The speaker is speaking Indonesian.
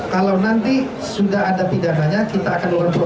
kalau nanti sudah ada pidananya kita akan melakukan